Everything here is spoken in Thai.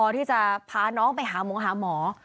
ที่จะพาน้องไปหาหมอหาหมอ